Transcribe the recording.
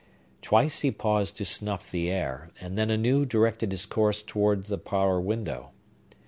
Twice he paused to snuff the air, and then anew directed his course towards the parlor window.